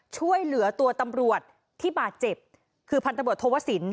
ช่วยเหลือตัวตำรวจที่บาดเจ็บคือพันธบทโทวสิน